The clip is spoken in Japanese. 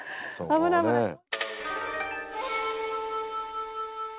危ない危ない。